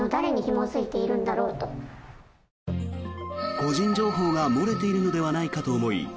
個人情報が漏れているのではないかと思い